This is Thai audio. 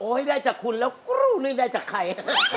โอ๊ยได้จากคุณแล้วกรุลลูนึงไม่ได้จากใคร